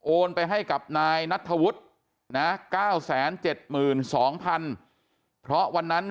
ไปให้กับนายนัทธวุฒินะ๙๗๒๐๐๐เพราะวันนั้น